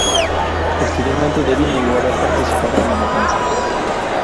Posteriormente Devi negó haber participado en la matanza.